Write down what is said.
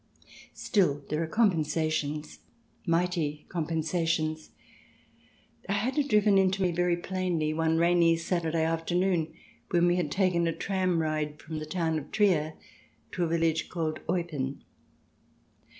Still, there are compensations — mighty compensa tions. I had it driven into me very plainly one rainy Saturday afternoon when we had taken a tram ride from the town of Trier to a village called Eupen.